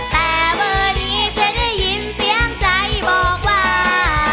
แต่เบอร์นี้จะได้ยินเสียงใจบอกว่า